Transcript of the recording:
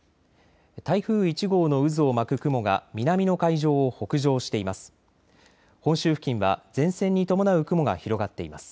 台風１号の渦を巻く雲が南の海上を北上しています。